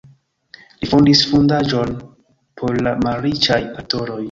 Li fondis fondaĵon por la malriĉaj aktoroj.